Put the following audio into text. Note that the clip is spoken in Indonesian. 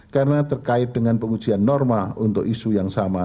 karena terkait dengan pengujian norma untuk isu yang sama